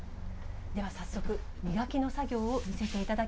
では早速磨きの作業を見せて頂きましょう。